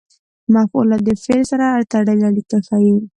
مفعول د فعل سره تړلې اړیکه ښيي.